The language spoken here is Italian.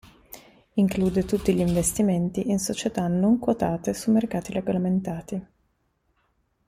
Include tutti gli investimenti in società non quotate su mercati regolamentati.